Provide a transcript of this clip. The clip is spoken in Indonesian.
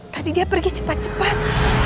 tadi dia pergi cepat cepat